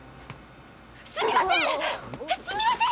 すみません！